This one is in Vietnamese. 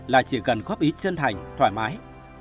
là chị gần góp ý chân thành thoải mái